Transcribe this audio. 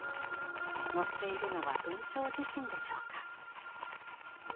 乗っているのは文晁自身でしょうか。